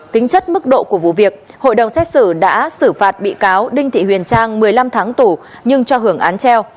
tính chất mức độ của vụ việc hội đồng xét xử đã xử phạt bị cáo đinh thị huyền trang một mươi năm tháng tù nhưng cho hưởng án treo